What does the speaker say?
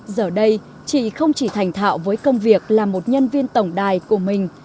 giờ đây chị không chỉ thành thạo với công việc là một nhân viên tổng đài của mình